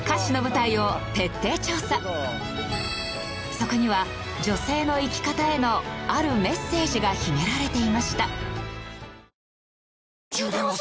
そこには女性の生き方へのあるメッセージが秘められていました。